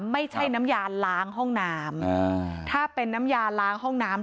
ไม่ใช่น้ำยาล้างห้องน้ำถ้าเป็นน้ำยาล้างห้องน้ำ